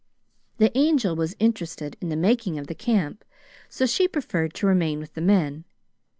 The Angel was interested in the making of the camp, so she preferred to remain with the men.